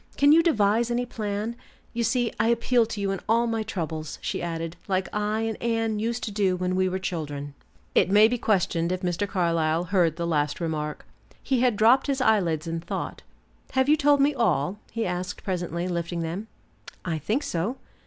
Can you devise any plan? You see I appeal to you in all my troubles," she added, "like I and Anne used to do when we were children." It may be questioned if Mr. Carlyle heard the last remark. He had dropped his eyelids in thought. "Have you told me all?" he asked presently, lifting them. "I think so."